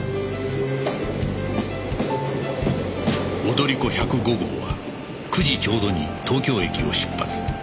踊り子１０５号は９時ちょうどに東京駅を出発